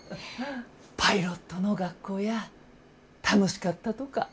パイロットの学校や楽しかったとか？